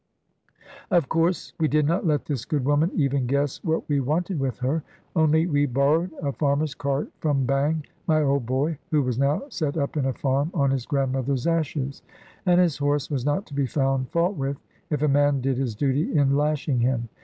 Of course, we did not let this good woman even guess what we wanted with her; only we borrowed a farmer's cart from Bang, my old boy, who was now set up in a farm on his grandmother's ashes; and his horse was not to be found fault with, if a man did his duty in lashing him.